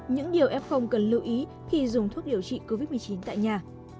những điều f cần lưu ý khi dùng thuốc điều trị covid một mươi chín tại nhà